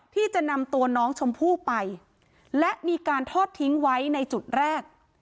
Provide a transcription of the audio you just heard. ที่จะนำตัวน้องชมพู่ไปและมีการทอดทิ้งไว้ในจุดแรก